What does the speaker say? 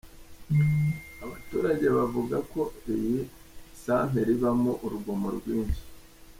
Abaturage bavuga ko iyi santere ibamo urugomo rwinshi.